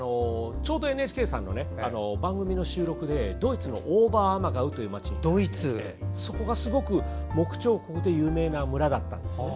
ちょうどＮＨＫさんの番組の収録でドイツのオーバーアマガウという町に行ってそこがすごく木彫刻で有名な村だったんです。